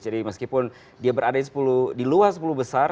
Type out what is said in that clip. meskipun dia berada di luar sepuluh besar